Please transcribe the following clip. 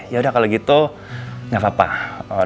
yaudah kalo gitu gak apa apa